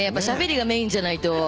しゃべりがメインじゃないと。